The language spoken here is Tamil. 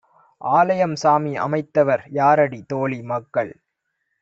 ஆலயம் சாமி அமைத்தவர் யாரடி? தோழி - மக்கள்